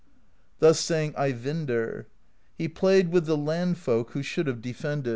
Thus sang Eyvindr: He played with the land folk Who should have defended; * Russia.